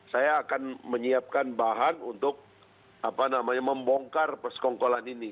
saya akan menyiapkan bahan untuk membongkar persekongkolan ini